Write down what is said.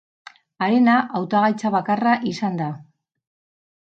Harena hautagaitza bakarra izan da.